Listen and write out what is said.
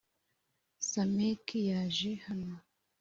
Sameki yaje hano